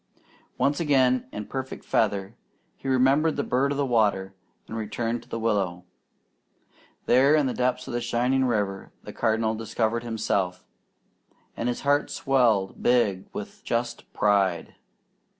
Once again in perfect feather, he remembered the bird of the water, and returned to the willow. There in the depths of the shining river the Cardinal discovered himself, and his heart swelled big with just pride.